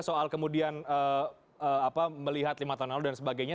soal kemudian melihat lima tahun lalu dan sebagainya